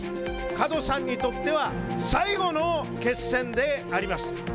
門さんにとっては最後の決戦であります。